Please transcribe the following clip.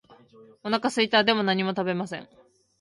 お腹すいた。でも何も食べません。